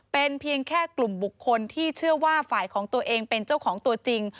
เป็นเพียงแค่กลุ่มบุคคลที่เชื่อว่าฝ่ายของตัวเองเป็นเจ้าของตัวจริง